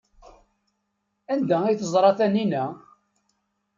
Anda ay teẓra Taninna?